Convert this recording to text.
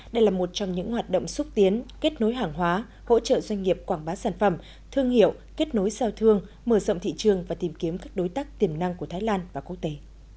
đây là một trong những hoạt động xúc tiến kết nối hàng hóa hỗ trợ doanh nghiệp quảng bá sản phẩm thương hiệu kết nối giao thương mở rộng thị trường và tìm kiếm các đối tác tiềm năng của thái lan và quốc tế